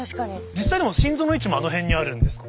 実際でも心臓の位置もあの辺にあるんですかね。